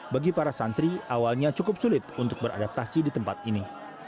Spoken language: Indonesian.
bagi para santri awalnya cukup sulit untuk beradaptasi di tempat ini